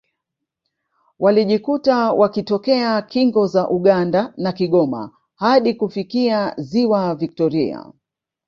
Walijikuta wakitokea kingo za Uganda na Kigoma hadi kufikia Ziwa Viktoria